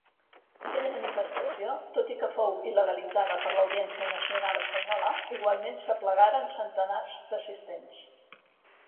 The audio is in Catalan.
Aquella manifestació, tot i que fou il·legalitzada per l'Audiència Nacional espanyola, igualment s'aplegaren centenars d'assistents.